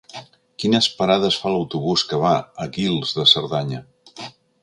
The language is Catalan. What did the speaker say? Quines parades fa l'autobús que va a Guils de Cerdanya?